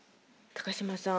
高島さん